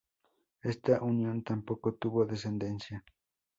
Esta unión tampoco tuvo descendencia.